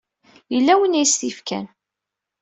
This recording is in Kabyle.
Yella win ay as-t-yefkan.